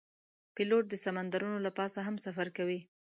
پیلوټ د سمندرونو له پاسه هم سفر کوي.